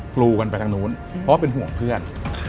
กรูกันไปทางนู้นเพราะว่าเป็นห่วงเพื่อน